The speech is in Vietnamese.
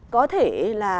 có thể là